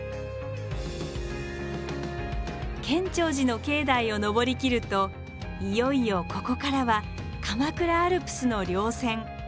建長寺の境内を登りきるといよいよここからは鎌倉アルプスの稜線。